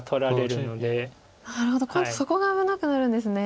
なるほど今度そこが危なくなるんですね。